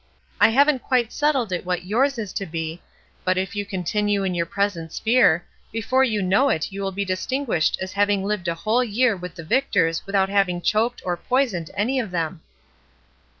I haven't quite settled it what yours is to be, but if you continue in your present sphere, 120 ESTER RIED'S NAMESAKE before you know it you will be distinguished as having lived a whole year with the Victors without having choked or poisoned any of them."